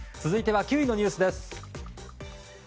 続いては９位のニュースです。